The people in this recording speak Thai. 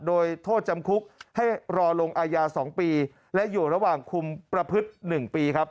โดยโทษจำคุกให้รอลงอาญา๒ปีและอยู่ระหว่างคุมประพฤติ๑ปีครับ